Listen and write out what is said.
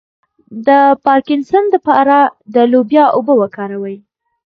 د پارکینسن لپاره د لوبیا اوبه وکاروئ